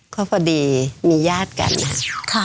ก็พอดีมีญาติกันค่ะ